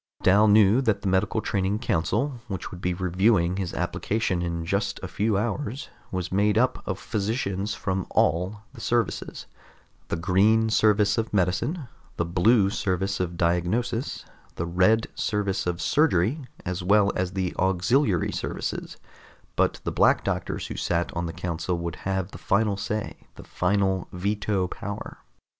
Dal knew that the medical training council, which would be reviewing his application in just a few hours, was made up of physicians from all the services the Green Service of Medicine, the Blue Service of Diagnosis, the Red Service of Surgery, as well as the Auxiliary Services but the Black Doctors who sat on the council would have the final say, the final veto power.